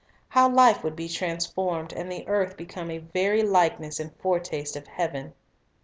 How life would be transformed, and the earth become a very likeness and foretaste of heaven